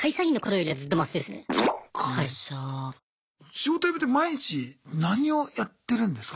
仕事辞めて毎日何をやってるんですか？